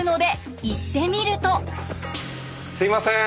すいません。